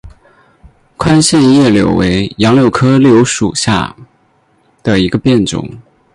宽线叶柳为杨柳科柳属下的一个变种。